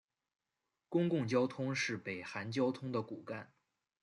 公共交通是北韩交通的骨干。